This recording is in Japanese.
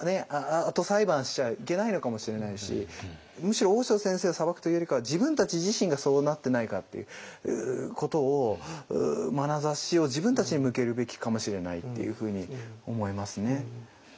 あと裁判しちゃいけないのかもしれないしむしろ大塩先生を裁くというよりかは自分たち自身がそうなってないかっていうことをまなざしを自分たちに向けるべきかもしれないっていうふうに思いますね。